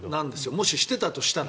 もし、してたとしたら。